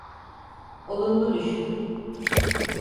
Olumlu düşün.